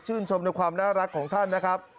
ชมในความน่ารักของท่านนะครับ